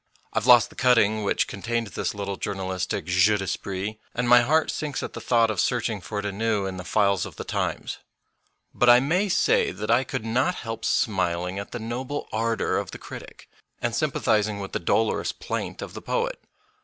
I have lost the cutting which contained this little journalistic jeu cT esprit, and my heart sinks at the thought of searching for it anew in the files of the Times. But I may say that I could not help smiling at the noble ardour of the critic, and sympathizing with the dolorous plaint of the poet.